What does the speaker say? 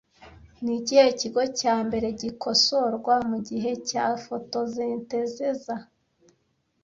Ni ikihe kigo cya mbere gikosorwa mugihe cya fotosintezeza